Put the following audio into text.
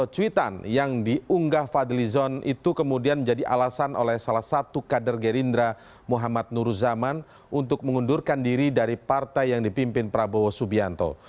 cuitan yang diunggah fadli zon itu kemudian menjadi alasan oleh salah satu kader gerindra muhammad nur zaman untuk mengundurkan diri dari partai yang dipimpin prabowo subianto